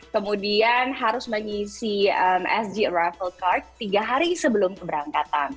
kemudian harus mengisi sg arvel card tiga hari sebelum keberangkatan